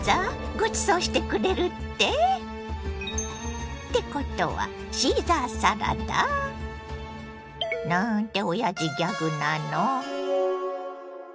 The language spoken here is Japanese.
ごちそうしてくれるって？ってことはシーザーサラダ？なんておやじギャグなの！